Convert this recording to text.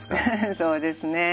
そうですね。